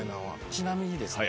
ちなみにですね